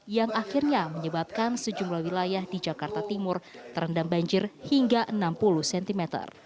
yang akhirnya menyebabkan sejumlah wilayah di jakarta timur terendam banjir hingga enam puluh cm